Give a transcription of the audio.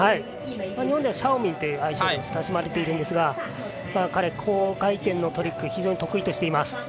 日本ではシャオミンという愛称で親しまれているんですが彼、高回転のトリック非常に得意としています。